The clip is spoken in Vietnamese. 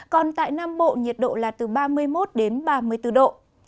còn tại nam bộ nhiệt độ là từ ba mươi một đến ba mươi bốn độ